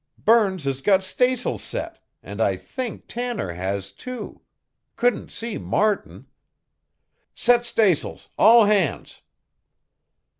Burns has got stays'l set, and I think Tanner has, too. Couldn't see Martin. Set stays'l, all hands!"